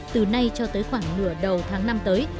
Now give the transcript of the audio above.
từ nay cho tới khoảng nửa đầu tháng năm tới